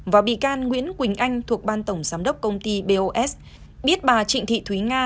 và bị can nguyễn quỳnh anh thuộc ban tổng giám đốc công ty bos biết bà trịnh thị thúy nga